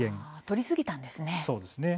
取りすぎたんですね。